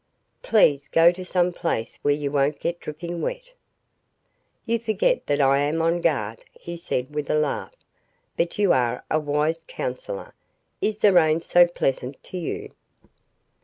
"Please go to some place where you won't get dripping wet." "You forget that I am on guard," he said with a laugh. "But you are a wise counsellor. Is the rain so pleasant to you?"